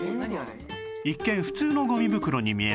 一見普通のゴミ袋に見えますが